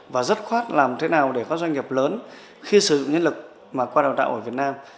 và rất khoát làm thế nào để các doanh nghiệp lớn khi sử dụng nhân lực mà qua đào tạo ở việt nam